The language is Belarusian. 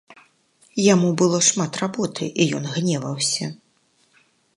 Яму было шмат работы, і ён гневаўся.